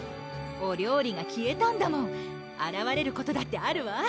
お料理が消えたんだもんあらわれることだってあるわ！